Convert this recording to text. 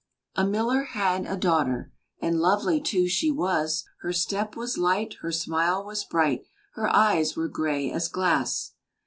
A miller had a daughter, And lovely, too, she was; Her step was light, her smile was bright, Her eyes were gray as glass.